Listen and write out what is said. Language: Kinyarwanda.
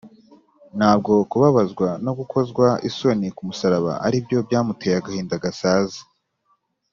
ntabwo kubabazwa no gukozwa isoni ku musaraba ari byo byamuteye agahinda gasaze